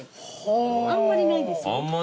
あんまないですよね。